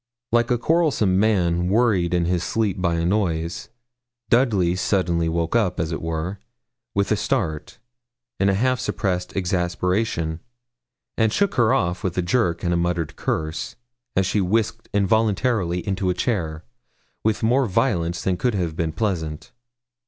Like a quarrelsome man worried in his sleep by a noise, Dudley suddenly woke up, as it were, with a start, in a half suppressed exasperation, and shook her off with a jerk and a muttered curse, as she whisked involuntarily into a chair, with more violence than could have been pleasant.